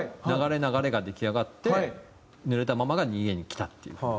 「流れ流れ」が出来上がって「濡れたまま」が２Ａにきたっていう。